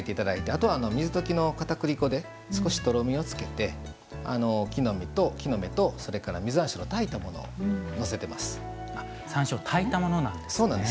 あとは、水溶きのかたくり粉で少しとろみをつけて木の芽と、それから実山椒のたいたものをのせてます。